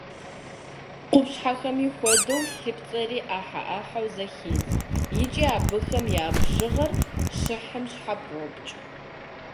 Къупщхьэхэми хуэдэу, лыпцӏэри ӏыхьэ-ӏыхьэу зэхедз, икӏи абыхэм я бжыгъэр щихым щхьэпрокӏ.